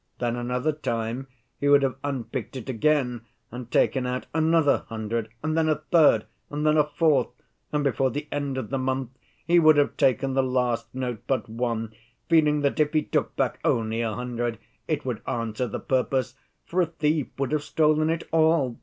Then another time he would have unpicked it again and taken out another hundred, and then a third, and then a fourth, and before the end of the month he would have taken the last note but one, feeling that if he took back only a hundred it would answer the purpose, for a thief would have stolen it all.